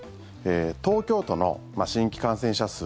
東京都の新規感染者数